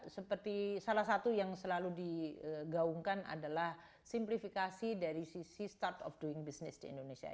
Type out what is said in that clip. seperti salah satu yang selalu digaungkan adalah simplifikasi dari sisi start of doing business di indonesia